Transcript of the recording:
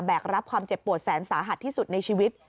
กรับความเจ็บปวดแสนสาหัสที่สุดในชีวิต